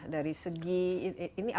dari segi ini apakah ini